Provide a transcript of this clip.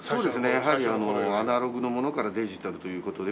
やはりアナログのものからデジタルという事で。